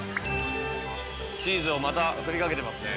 チーズをまた振りかけてますね。